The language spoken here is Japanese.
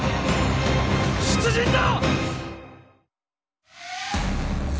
出陣だ！